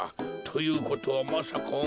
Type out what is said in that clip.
ということはまさかおまえは。